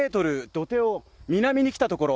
土手を南に来たところ。